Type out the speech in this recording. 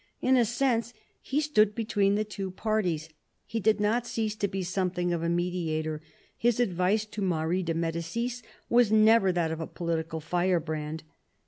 In a sense he stood between the two parties ; he did not cease to be something of a mediator ; his advice to Marie de Medicis was never that of a political firebrand.